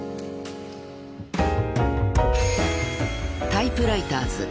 ［『タイプライターズ』